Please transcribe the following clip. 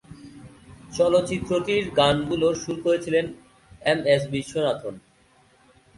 চলচ্চিত্রটির গানগুলোর সুর করেছিলেন এম এস বিশ্বনাথন।